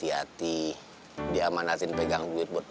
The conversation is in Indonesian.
jadi gak diangkat